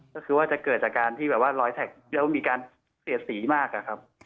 ก็คือว่าจะเกิดจากรอยแถกแล้วมีการเสียสีมากครับ